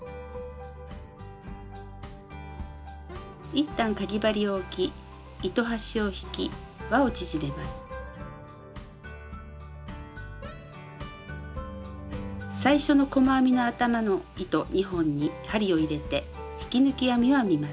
一旦かぎ針を置き最初の細編みの頭の糸２本に針を入れて引き抜き編みを編みます。